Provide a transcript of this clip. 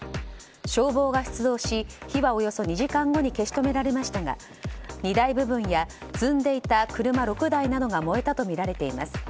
消防が出動し火はおよそ２時間後に消し止められましたが荷台部分や積んでいた車６台などが燃えたとみられています。